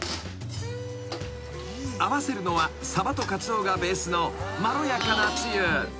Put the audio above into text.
［合わせるのはサバとカツオがベースのまろやかなつゆ。